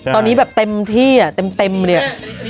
ตอนนี้แบบเต็มที่อ่ะเต็มเลย